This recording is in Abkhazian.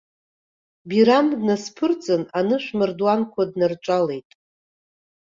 Бирам днасԥырҵын, анышә мардуанқәа днарҿалеит.